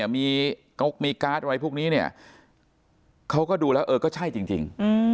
มีการ์ดอะไรพวกนี้เนี่ยเขาก็ดูแล้วเออก็ใช่จริง